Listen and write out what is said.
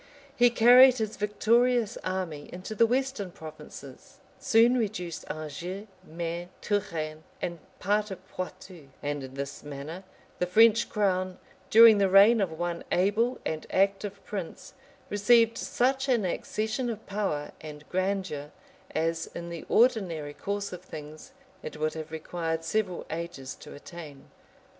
He carried his victorious army into the western provinces; soon reduced Anjou, Maine, Touraine, and part of Poictou;[] and in this manner the French crown, during the reign of one able and active prince, received such an accession of power and grandeur, as, in the ordinary course of things, it would have required several ages to attain.